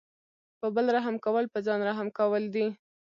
په بل رحم کول په ځان رحم کول دي.